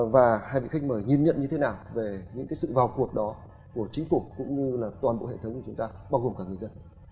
và hai vị khách mời nhìn nhận như thế nào về những sự vào cuộc đó của chính phủ cũng như là toàn bộ hệ thống của chúng ta bao gồm cả người dân